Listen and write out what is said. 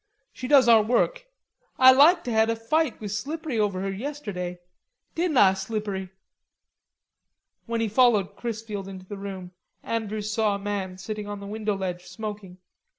"She does our work. Ah like to had a fight with Slippery over her yisterday.... Didn't Ah, Slippery?" When he followed Chrisfield into the room, Andrews saw a man sitting on the window ledge smoking.